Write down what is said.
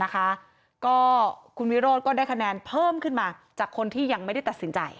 ก็คุณวิโรธก็ได้คะแนนเพิ่มขึ้นมาจากคนที่ยังไม่ได้ตัดสินใจ